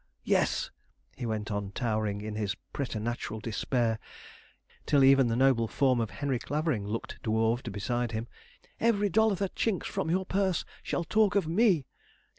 Yes," he went on, towering in his preternatural despair till even the noble form of Henry Clavering looked dwarfed beside him, "every dollar that chinks from your purse shall talk of me.